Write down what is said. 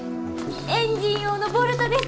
エンジン用のボルトです。